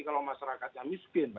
kalau masyarakat yang miskin